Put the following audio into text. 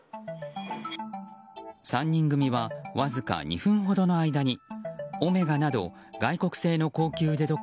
３人組はわずか２分ほどの間にオメガなど外国製の高級腕時計